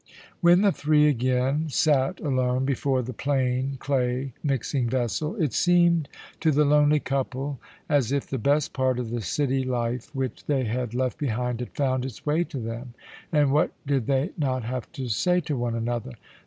When the three again sat alone before the plain clay mixing vessel it seemed to the lonely young couple as if the best part of the city life which they had left behind had found its way to them, and what did they not have to say to one another!